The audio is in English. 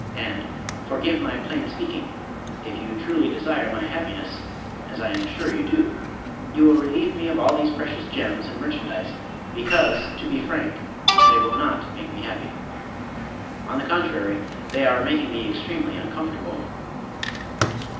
And forgive my plain speaking if you truly desire my happiness (as I am sure you do) you will relieve me of all these precious gems and merchandise, because, to be frank, they will not make me happy. On the contrary, they are making me extremely uncomfortable."